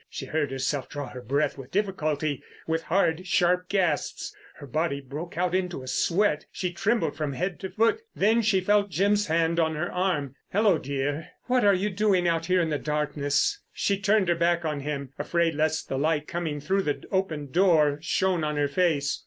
She heard herself draw her breath with difficulty, with hard, sharp gasps. Her body broke out into a sweat. She trembled from head to foot. Then she felt Jim's hand on her arm. "Hello, dear, what are you doing out here in the darkness?" She turned her back on him, afraid lest the light coming through the open door shone on her face.